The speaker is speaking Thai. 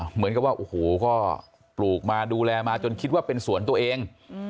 เหมือนกับว่าโอ้โหก็ปลูกมาดูแลมาจนคิดว่าเป็นสวนตัวเอง